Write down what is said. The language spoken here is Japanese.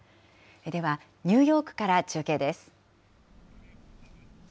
では、ニューヨークから中継です。